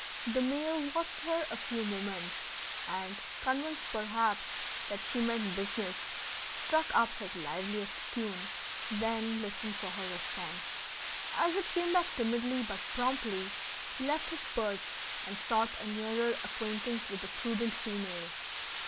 The male watched her a few moments and, convinced perhaps that she meant business, struck up his liveliest tune, then listened for her response. As it came back timidly but promptly, he left his perch and sought a nearer acquaintance with the prudent female.